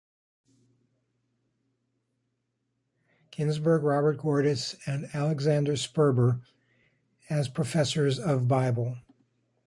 Ginsberg, Robert Gordis, and Alexander Sperber as professors of Bible.